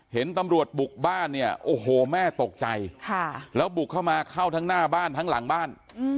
เห็นตำรวจบุกบ้านเนี่ยโอ้โหแม่ตกใจแล้วบุกเข้ามาเข้าทั้งหน้าบ้านทั้งหลังบ้าน